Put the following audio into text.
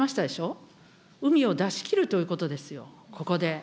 うみを出し切るということですよ、ここで。